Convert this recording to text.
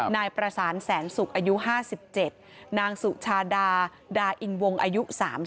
นายประสานแสนสุกอายุ๕๗นางสุชาดาดาอินวงอายุ๓๐